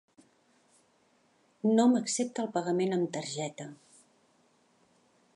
No m'accepta el pagament amb targeta.